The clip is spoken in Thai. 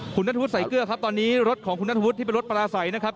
คุณนัทธวุฒิใส่เกลือครับตอนนี้รถของคุณนัทวุฒิที่เป็นรถปลาใสนะครับ